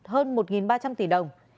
hơn một ba trăm linh tỷ đồng